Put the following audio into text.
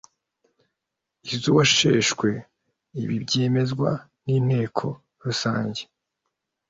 iz uwasheshwe ibi byemezwa n Inteko Rusange